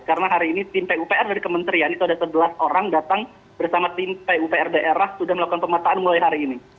karena hari ini tim pupr dari kementerian itu ada sebelas orang datang bersama tim pupr daerah sudah melakukan pemetaan mulai hari ini